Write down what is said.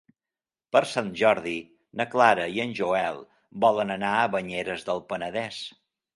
Per Sant Jordi na Clara i en Joel volen anar a Banyeres del Penedès.